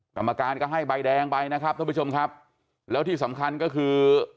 กรรมการก็ให้ใบแดงไปนะครับท่านผู้ชมครับแล้วที่สำคัญก็คือ